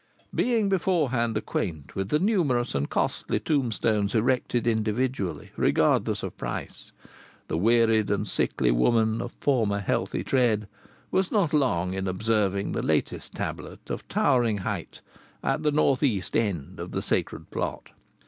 Being beforehand acquaint with the numerous and costly tombstones erected individually, regardless of price, the wearied and sickly woman of former healthy tread was not long in observing the latest tablet, of towering height, at the north east end of the sacred plot.